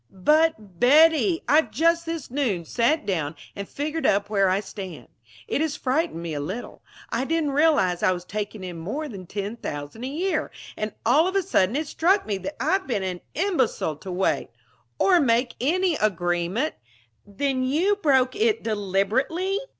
"But, Betty, I've just this noon sat down and figured up where I stand. It has frightened me a little. I didn't realize I was taking in more than ten thousand a year. And all of a sudden it struck me that I've been an imbecile to wait, or make any agreement " "Then you broke it deliberately?"